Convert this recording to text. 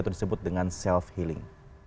atau disebut dengan self healing